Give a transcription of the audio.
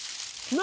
何？